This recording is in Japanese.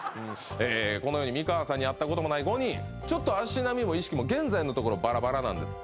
このように美川さんに会ったこともない５人足並みも意識も現在のところバラバラなんです